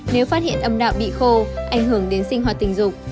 nếu phát hiện âm nạo bị khô ảnh hưởng đến sinh hoạt tình dục